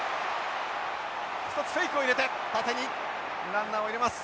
一つフェイクを入れて縦にランナーを入れます。